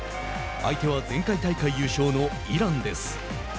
相手は前回大会優勝のイランです。